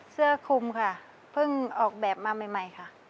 เสื้อคุมค่ะเพิ่งออกแบบมาใหม่ค่ะ